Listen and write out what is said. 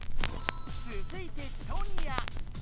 つづいてソニア！